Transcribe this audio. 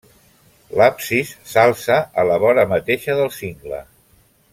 L'absis s'alça a la vora mateixa del cingle.